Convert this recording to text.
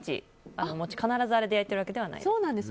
餅を必ずあれで焼いてるわけではないです。